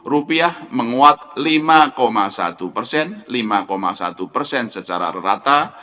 rupiah menguat lima satu secara rata